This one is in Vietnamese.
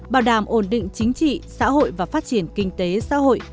bảo đảm ổn định chính trị xã hội và phát triển kinh tế xã hội